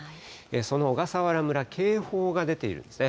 その小笠原村、警報が出ているんですね。